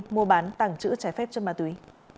mua bán tẳng chữ trái phép cho ma túy